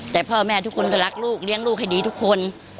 แต่พ่อแม่ทุกคนก็รักลูกเลี้ยงลูกให้ดีทุกคน